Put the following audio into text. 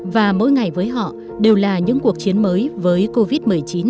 và mỗi ngày với họ đều là những cuộc chiến mới với covid một mươi chín